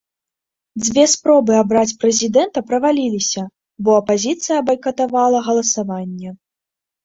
Дзве спробы абраць прэзідэнта праваліліся, бо апазіцыя байкатавала галасаванне.